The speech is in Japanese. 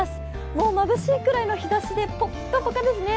もうまぶしいくらいの日ざしでポッカポカですね。